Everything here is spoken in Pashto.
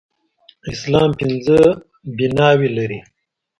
اسلام پنځه بناوې لري.